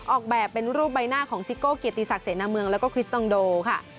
ออกแบบเป็นรูปใบหน้าของซิโก้เกียรติศักดิเสนาเมืองแล้วก็คริสตองโดค่ะ